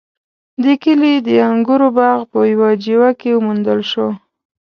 د کلي د انګورو باغ په يوه جیوه کې وموندل شو.